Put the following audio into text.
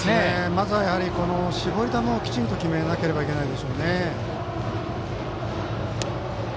まずは絞り球をきちんと決めないといけないでしょうね。